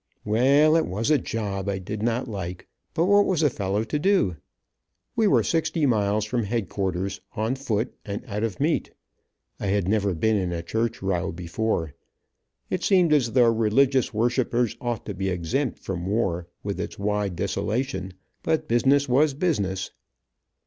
Well, it was a job I did not like, but what was a fellow to do. We were sixty miles from headquarters, on foot and out of meat. I had never been in a church row before. It seemed as though religious worshippers ought to be exempt from war, with its wide desolation. But business was business.